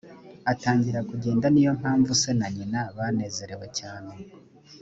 atangira kugenda ni yo mpamvu se na nyina banezerewe cyane